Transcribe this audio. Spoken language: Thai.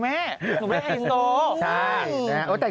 แบบไหน